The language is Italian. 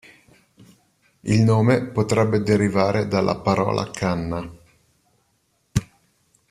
Il nome potrebbe derivare dalla parola "canna".